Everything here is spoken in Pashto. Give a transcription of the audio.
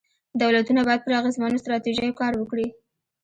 دولتونه باید پر اغېزمنو ستراتیژیو کار وکړي.